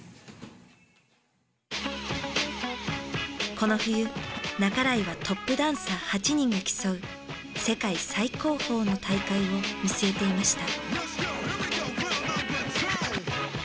この冬半井はトップダンサー８人が競う世界最高峰の大会を見据えていました。